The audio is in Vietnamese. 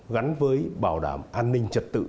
gắn với bảo đảm an ninh trật tự